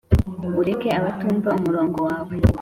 ureke abatumva umurongo wawe